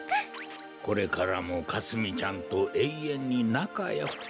これからもかすみちゃんとえいえんになかよくって。